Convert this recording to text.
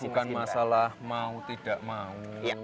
bukan masalah mau tidak mau